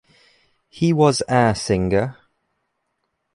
He was our singer.